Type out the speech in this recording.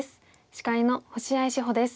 司会の星合志保です。